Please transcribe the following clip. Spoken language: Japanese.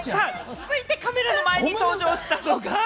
続いてカメラの前に登場したのが。